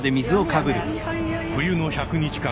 冬の１００日間